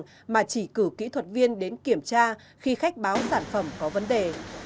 cũng chủ động gọi cho khách hàng mà chỉ cử kỹ thuật viên đến kiểm tra khi khách báo sản phẩm có vấn đề